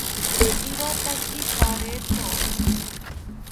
Irotaki pareto